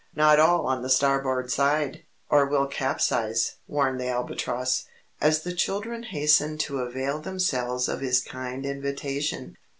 "Not all on the starboard side, or we'll capsize," warned the Albatross, as the children hastened to avail themselves of his kind invitation.